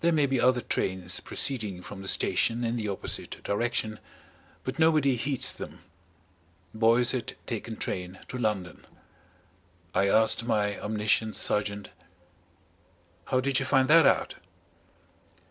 There may be other trains proceeding from the station in the opposite direction but nobody heeds them. Boyce had taken train to London. I asked my omniscient sergeant: "How did you find that out?"